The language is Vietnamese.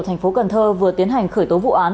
thành phố cần thơ vừa tiến hành khởi tố vụ án